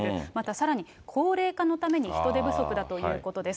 またさらに、高齢化のために人手不足だということです。